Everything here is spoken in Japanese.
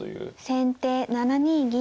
先手７二銀。